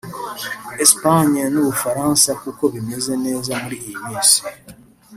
Espagne n’Ubufaransa kuko bameze neza muri iyi minsi